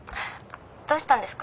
どうしたんですか？